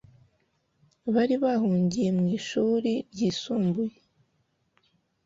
bari bahungiye mu ishuri ryisumbuye